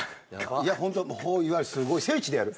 いやホントいわゆるすごい聖地でやる。